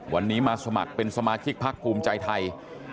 วันนี้มาสมัครเป็นสมาธิกภักดิ์ภักดิ์ภูมิใจไทย